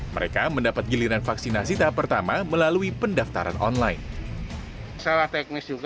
mereka mendapat giliran vaksinasi tahap pertama melalui pendaftaran online